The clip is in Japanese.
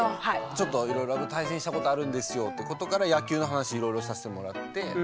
ちょっといろいろ対戦したことあるんですよってことから野球の話いろいろさせてもらって。